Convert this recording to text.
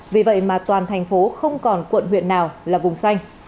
vì vậy mà toàn thành phố không còn quận huyện nào là vùng xanh